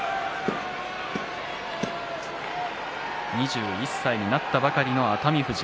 ２１歳になったばかりの熱海富士。